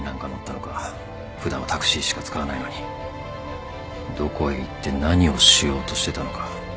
普段はタクシーしか使わないのにどこへ行って何をしようとしてたのか。